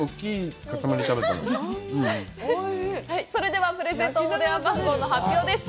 それでは、プレゼント応募電話番号の発表です。